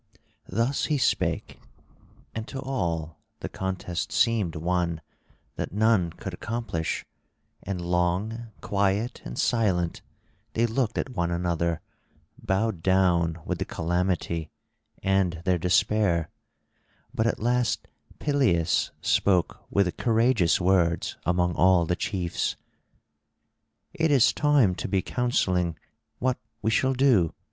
Thus he spake; and to all the contest seemed one that none could accomplish, and long, quiet and silent, they looked at one another, bowed down with the calamity and their despair; but at last Peleus spake with courageous words among all the chiefs: "It is time to be counselling what we shall do.